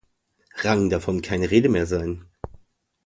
Rang davon keine Rede mehr sein.